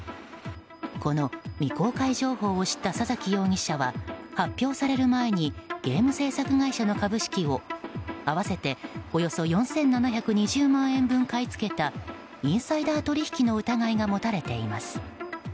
この未公開情報を知った佐崎容疑者は発表される前にゲーム制作会社の株式を合わせておよそ４７２０万円分買い付けたインサイダー取引の疑いが持たれています。